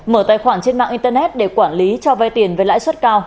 mở tài khoản trên mạng internet để quản lý cho vay tiền với lãi suất cao